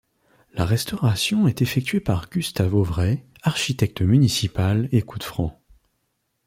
La restauration est effectuée par Gustave Auvray, architecte municipale et coûte francs.